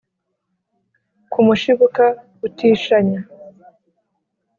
ku mushibuka utishanya